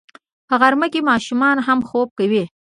په غرمه کې ماشومان هم خوب کوي